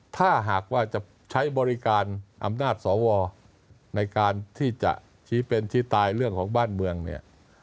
ถ้าหากว่าจะใช้บริการอำนาจสวในการที่จะชี้เป็นชี้ตายเรื่องของบ้านเมืองเนี่ย